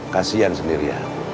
kasian sendiri ya